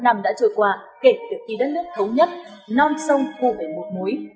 bốn mươi tám năm đã trôi qua kể từ khi đất nước thống nhất non sông khu vệ một múi